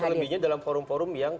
selebihnya dalam forum forum yang